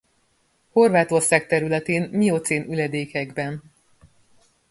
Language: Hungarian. Horvátország területén miocén üledékekben.